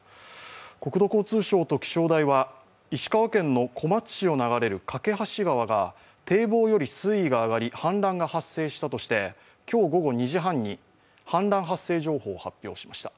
国土交通省と気象台は石川県の小松市を流れる梯川が堤防より水位が上がり氾濫が発生したとして今日午後２時半に氾濫発生情報を発表しました。